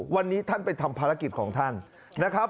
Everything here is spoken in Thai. วันนี้ท่านไปทำภารกิจของท่านนะครับ